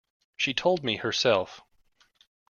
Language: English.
She told me herself.